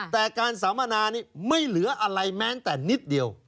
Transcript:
แต่การสัมมนานี้ไม่เหลืออะไรแม้แต่นิดเดียว